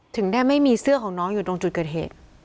ถึงได้ไม่มีเสื้อของน้องอยู่ตรงจุดเกิดเหตุ